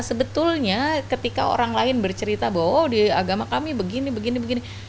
sebetulnya ketika orang lain bercerita bahwa di agama kami begini begini